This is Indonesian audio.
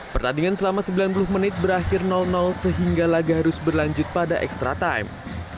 pertandingan selama sembilan puluh menit berakhir sehingga laga harus berlanjut pada extra time